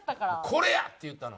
「これや！」って言うたの。